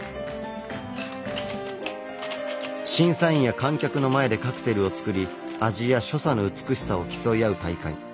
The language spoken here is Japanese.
審査員や観客の前でカクテルを作り味や所作の美しさを競い合う大会。